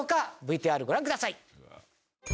ＶＴＲご覧ください。